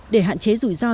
để hạn chế rủi ro